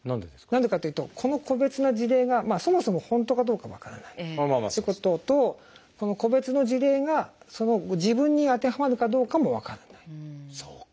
何でかっていうとこの個別の事例がそもそも本当かどうか分からないってこととこの個別の事例が自分に当てはまるかどうかも分からないですね。